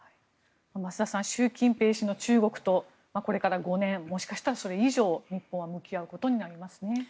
増田さん習近平氏の中国とこれから５年もしかしたらそれ以上日本は向き合うことになりますね。